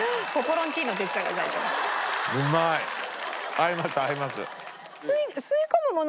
合います合います。